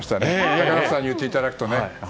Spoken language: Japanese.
竹俣さんに言っていただくと。